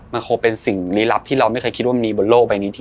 มันคงเป็นสิ่งลี้ลับที่เราไม่เคยคิดว่ามันมีบนโลกใบนี้ที่